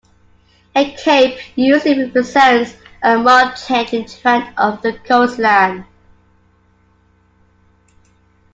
A cape usually represents a marked change in trend of the coastline.